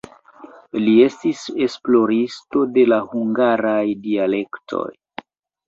Li estis esploristo de la hungaraj dialektoj.